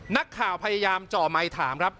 นักข่าวพยายามจ่อไมค์ถามครับ